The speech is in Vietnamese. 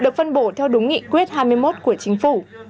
được phân bổ theo đúng nghị quyết hai mươi một của chính phủ